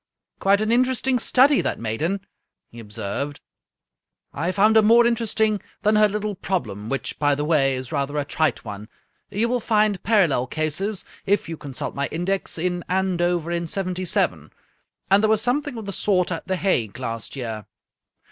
" Quite an interesting study, that maiden," he observed. " I found her more interesting than her little problem, which, by the way, is rather a trite one. You will find parallel cases, if you consult my. index, in Andover in 'yy, and there was something of the sort at The Hague last year.